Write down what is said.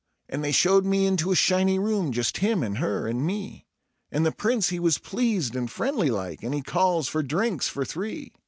And they showed me into a shiny room, just him and her and me, And the Prince he was pleased and friendly like, and he calls for drinks for three.